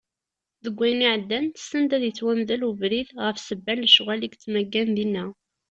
Deg wayen iɛeddan, send ad yettwamdel ubrid ɣef sebba n lecɣal i yettmaggan dinna.